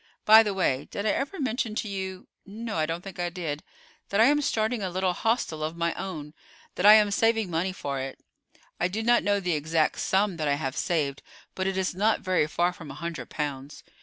By the way, did I ever mention to you—no, I don't think I did—that I am starting a little hostel of my own, that I am saving money for it. I do not know the exact sum that I have saved, but it is not very far from a hundred pounds.